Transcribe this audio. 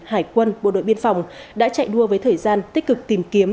hải quân bộ đội biên phòng đã chạy đua với thời gian tích cực tìm kiếm